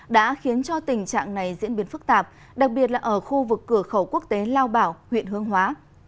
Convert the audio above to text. đã khiến cho tình trạng này diễn biến phức tạp đặc biệt là ở khu vực cửa khẩu quốc tế lao bảo huyện hương hóa